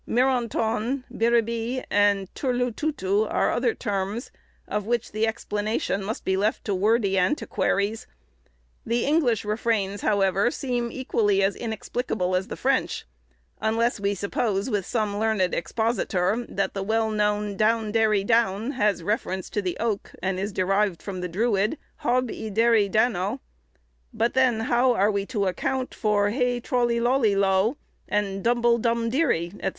"Mironton," "Biribi," and "Turlututu," are other terms, of which the explanation must be left to wordy antiquaries. The English refrains, however, seem equally as inexplicable as the French; unless we suppose, with some learned expositor, that the well known "Down derry down" has reference to the oak, and is derived from the Druid, "Hob y deri danno;" but then how are we to account for "Hey troly loly lo," and "Dumble dum deary," &c.?